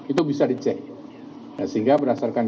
itu bisa dicek sehingga berdasarkan